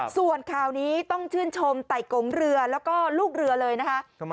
ส่วนข่าวนี้ต้องชื่นชมไต่กงเรือแล้วก็ลูกเรือเลยนะคะ